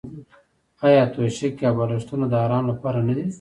آیا توشکې او بالښتونه د ارام لپاره نه دي؟